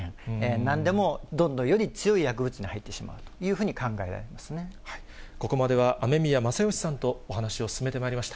なんでもどんどんより強い薬物に入ってしまうというふうに考えらここまでは雨宮正欣さんとお話を進めてまいりました。